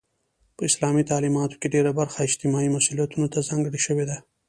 په اسلامي تعلیماتو کې ډيره برخه اجتماعي مسئولیتونو ته ځانګړې شوی ده.